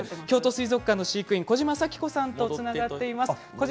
京都水族館の飼育員小島早紀子さんとつながっています。